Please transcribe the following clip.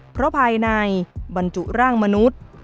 เพราะภายในบรรจุร่างมนุษย์